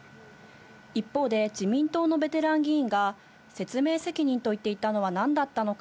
一方で、自民党のベテラン議員が、説明責任と言っていたのはなんだったのか。